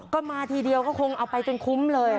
ก็มาทีเดียวก็คงเอาไปจนคุ้มเลย